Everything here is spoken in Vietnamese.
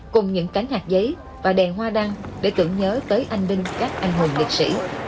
cùng những cánh hạt giấy và đèn hoa đăng để tưởng nhớ tới anh binh các anh hùng nghịch sĩ